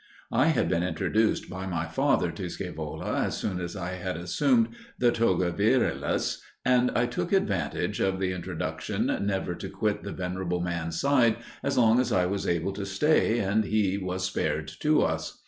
I had been introduced by my father to Scaevola as soon as I had assumed the toga virilis, and I took advantage of the introduction never to quit the venerable man's side as long as I was able to stay and he was spared to us.